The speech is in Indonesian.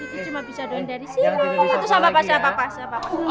ya udah bisa doang dari sini ya apa apa